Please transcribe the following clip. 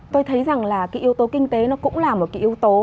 tôi thấy rằng là cái yếu tố kinh tế nó cũng là một cái yếu tố